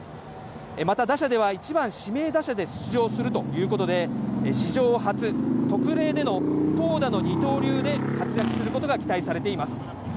また打者では１番・指名打者で出場するということで史上初、特例での投打の二刀流で初めて出場することが期待されています。